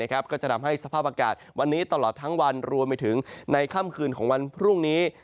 ก็จะทำให้สภาพอากาศวันนี้ตลอดทั้งวันรวมไปถึงในค่ำคืนของวันพรุ่งนี้